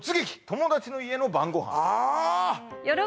友達の家の晩ごはん」